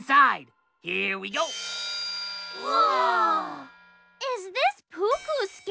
うわ！